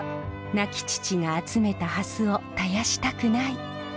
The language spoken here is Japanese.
亡き父が集めたハスを絶やしたくない。